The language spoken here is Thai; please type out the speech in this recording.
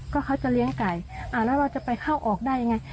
ก็เขาจะเลี้ยงไก่อ่าแล้วเราจะไปเข้าออกได้ยังไง